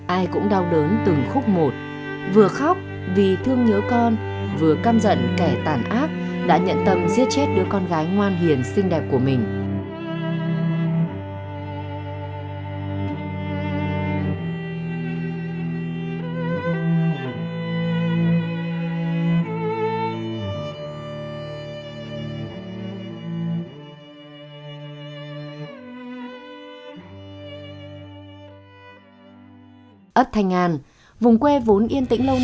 ai cũng đau đớn từng khúc một vừa khóc vì thương nhớ con vừa cam giận kẻ tàn ác đã nhận tâm giết chết đứa con gái ngoan hiền xinh đẹp của mình